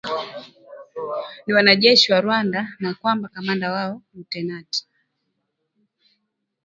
ni wanajeshi wa Rwanda na kwamba kamanda wao lutenati